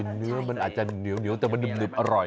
เนื้อมันอาจจะเหนียวแต่มันหนึบอร่อย